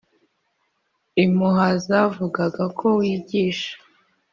Impuha zavugaga ko wigisha